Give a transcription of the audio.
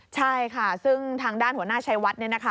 ใช่ค่ะซึ่งทางด้านหัวหน้าชัยวัดเนี่ยนะคะ